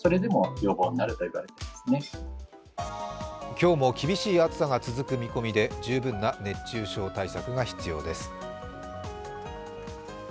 今日も厳しい暑さが続く見込みで、十分な熱中症対策が必要です。